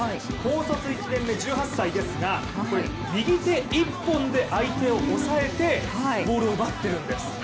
高卒１年目、１８歳ですが右手一本で相手を押さえてボールを奪っているんです。